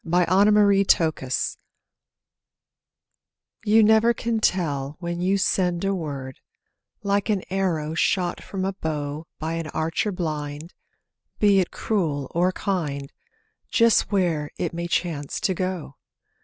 YOU NEVER CAN TELL You never can tell when you send a word, Like an arrow shot from a bow By an archer blind, be it cruel or kind, Just where it may chance to go!